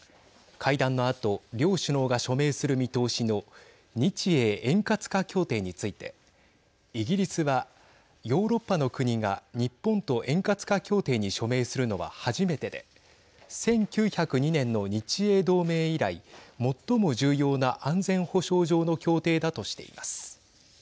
会談のあと両首脳が署名する見通しの日英円滑化協定についてイギリスは、ヨーロッパの国が日本と円滑化協定に署名するのは初めてで１９０２年の日英同盟以来最も重要な安全保障上の協定だとしています。